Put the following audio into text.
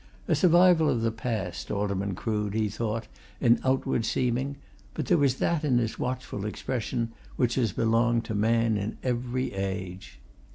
A survival of the past, Alderman Crood, he thought, in outward seeming, but there was that in his watchful expression which has belonged to man in every age.